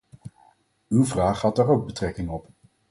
Uw vraag had daar ook betrekking op.